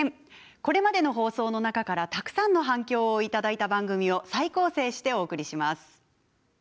これまでの放送の中からたくさんの反響を頂いた番組を再構成してお送りします。